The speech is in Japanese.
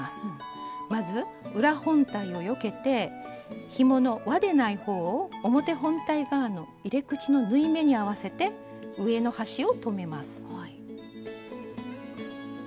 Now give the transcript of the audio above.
まず裏本体をよけてひものわでない方を表本体側の入れ口の縫い目に合わせて上の端を留めます。